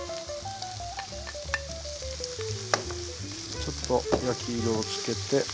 ちょっと焼き色を付けて。